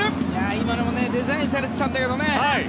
今のもデザインされてたんだけどね。